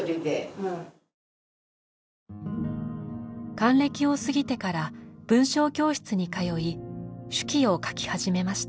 還暦を過ぎてから文章教室に通い手記を書き始めました。